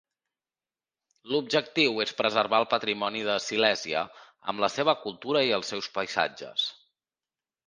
L'objectiu és preservar el patrimoni de Silèsia amb la seva cultura i els seus paisatges.